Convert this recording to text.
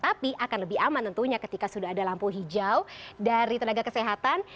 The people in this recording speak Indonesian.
tapi akan lebih aman tentunya ketika sudah ada lampu hijau dari tenaga kesehatan